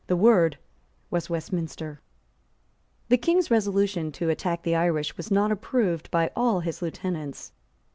The word was Westminster. The King's resolution to attack the Irish was not approved by all his lieutenants.